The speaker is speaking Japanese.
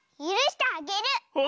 ゆるしてあげる！